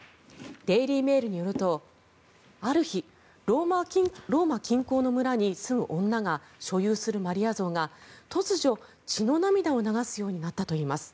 デイリー・メールによるとある日、ローマ近郊の村に住む女が所有するマリア像が突如、血の涙を流すようになったといいます。